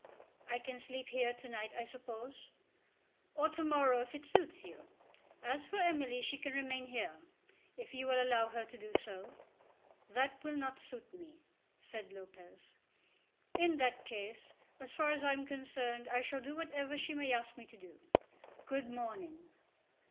"I can sleep here to night, I suppose?" "Or to morrow if it suits you. As for Emily, she can remain here, if you will allow her to do so." "That will not suit me," said Lopez. "In that case, as far as I am concerned, I shall do whatever she may ask me to do. Good morning."